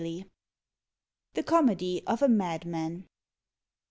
THE COMEDY OF A MADMAN.